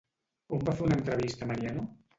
On va fer una entrevista Mariano?